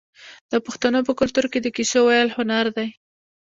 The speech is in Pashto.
د پښتنو په کلتور کې د کیسو ویل هنر دی.